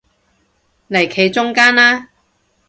嚟企中間啦